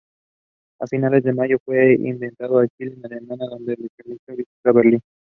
A fines de mayo fue invitado a Kiel, Alemania donde la tripulación visitó Berlín.